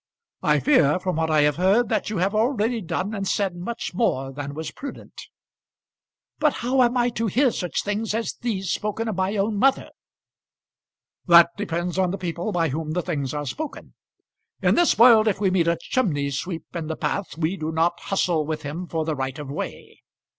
I fear from what I have heard that you have already done and said much more than was prudent." "But how am I to hear such things as these spoken of my own mother?" "That depends on the people by whom the things are spoken. In this world, if we meet a chimney sweep in the path we do not hustle with him for the right of way.